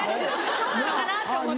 そうなのかなって思って。